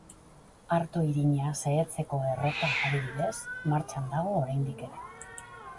Arto irina xehetzeko errota, adibidez, martxan dago oraindik ere.